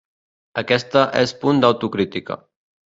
Aquesta és punt d’autocrítica.